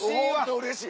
うれしい！